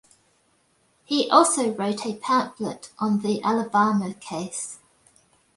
He also wrote a pamphlet on the Alabama case.